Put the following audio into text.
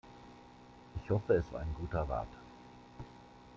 Ich hoffe, es war ein guter Rat.